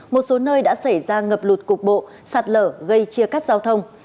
một số nơi đã xảy ra ngập lụt cục bộ sạt lở gây chia cắt giao thông